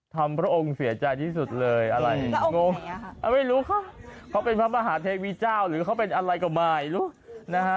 พระองค์เสียใจที่สุดเลยอะไรงงไม่รู้เขาเป็นพระมหาเทวีเจ้าหรือเขาเป็นอะไรก็ไม่รู้นะฮะ